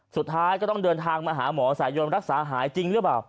สุดท้ายก็ต้องเดินทางมาหาหมอสายยนรักษาหายจริงหรือเปล่า